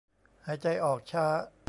หายใจออกช้า